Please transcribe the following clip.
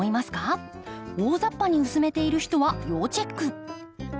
大ざっぱに薄めている人は要チェック。